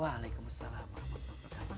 waalaikumsalam warahmatullahi wabarakatuh